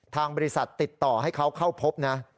ทางบริษัทติดต่อให้เขาเข้าพบนะ